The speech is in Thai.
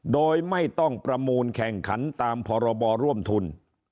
โดยไม่ต้องประมูลแข่งขันตามพรบร่วมทุน